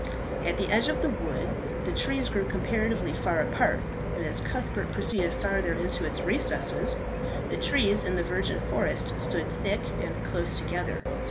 At the edge of the wood the trees grew comparatively far apart, but as Cuthbert proceeded farther into its recesses, the trees in the virgin forest stood thick and close together.